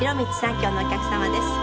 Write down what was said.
今日のお客様です。